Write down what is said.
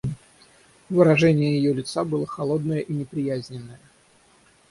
Выражение ее лица было холодное и неприязненное.